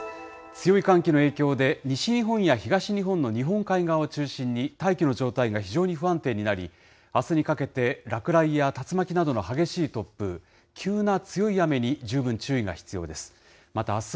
強い寒気の影響で、西日本や東日本の日本海側を中心に、大気の状態が非常に不安定になり、あすにかけて、落雷や竜巻などの激しい突風、急な強い雨に十分注意が必要です。